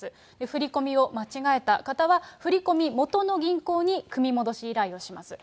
振り込みを間違えた方は、振り込み元の銀行に組み戻し依頼をします。